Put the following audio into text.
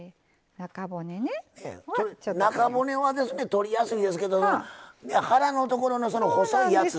中骨はとりやすいですけど腹のところの細いやつ。